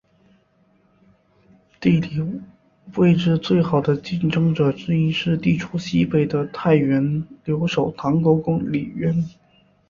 地理位置最好的竞争者之一是地处西北的太原留守唐国公李渊。